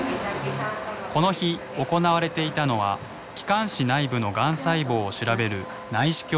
この日行われていたのは気管支内部のがん細胞を調べる内視鏡検査。